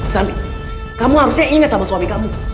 santi kamu harusnya inget sama suami kamu